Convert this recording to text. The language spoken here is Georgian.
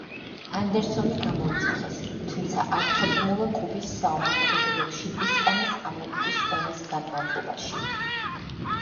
ანდერსონი გამოიძახეს, თუმცა არ ჩაბმულა კუბის საომარ ქმედებებში ესპანეთ-ამერიკის ომის განმავლობაში.